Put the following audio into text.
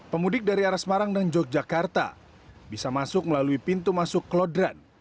pemudik dari aras marang dan yogyakarta bisa masuk melalui pintu masuk kelodran